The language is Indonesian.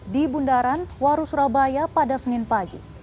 di bundaran waru surabaya pada senin pagi